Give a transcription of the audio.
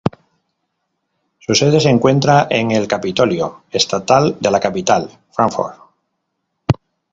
Su sede se encuentra en el Capitolio estatal de la capital Frankfort.